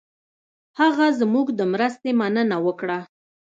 هغه زموږ د مرستې مننه وکړه.